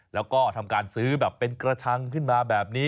แล้วก็ทำการซื้อแบบเป็นกระชังขึ้นมาแบบนี้